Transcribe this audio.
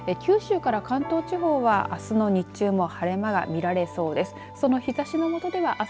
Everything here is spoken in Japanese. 九州から関東地方はあすの日中も晴れ間が見られそうです。